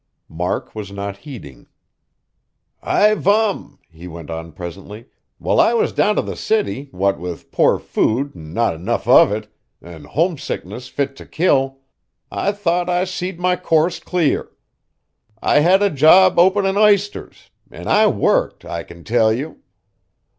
Mark was not heeding. "I vum!" he went on presently, "while I was down t' the city, what with poor food an' not 'nough of it, an' homesickness fit t' kill, I thought I seed my course clear. I had a job openin' isters; an' I worked, I kin tell you!